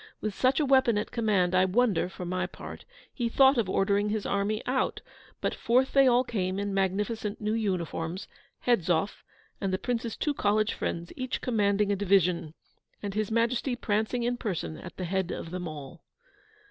With such a weapon at command, I wonder, for my part, he thought of ordering his army out; but forth they all came, in magnificent new uniforms, Hedzoff and the Prince's two college friends each commanding a division, and His Majesty prancing in person at the head of them all.